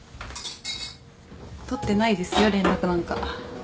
取ってないですよ連絡なんか。